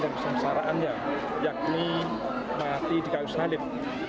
dan kesengsaraannya yakni mati di kayu salib